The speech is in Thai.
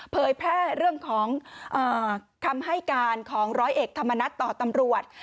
เผยแพร่เรื่องของคำให้การของร้อยเอกธรรมนัฏต่อตำรวจ